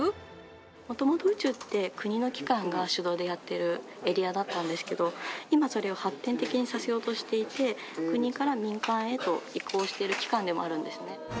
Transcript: もともと宇宙って、国の機関が主導でやってるエリアだったんですけど、今、それを発展的にさせようとしていて、国から民間へと移行している機関でもあるんですね。